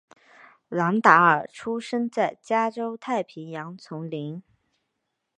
兰达尔出生在加州太平洋丛林。